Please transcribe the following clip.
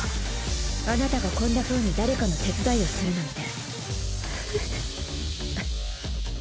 あなたがこんなふうに誰かの手伝いをするなんて。